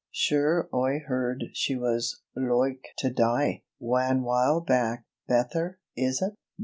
Sure Oi heard she was loike to die, wan while back. Betther, is ut?